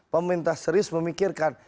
pemerintah serius memikirkan